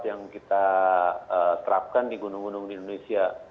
yang kita terapkan di gunung gunung di indonesia